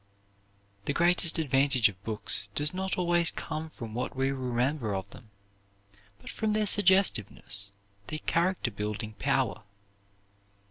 The greatest advantage of books does not always come from what we remember of them, but from their suggestiveness, their character building power.